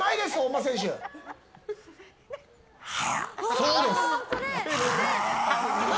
そうです！